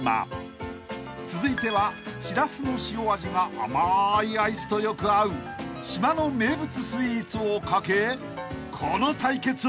［続いてはしらすの塩味が甘いアイスとよく合う島の名物スイーツをかけこの対決］